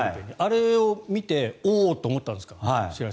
あれを見ておおっと思ったんですか？